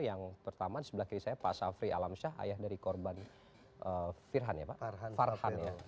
yang pertama di sebelah kiri saya pak safri alam syah ayah dari korban farhan